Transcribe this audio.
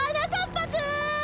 ぱくん！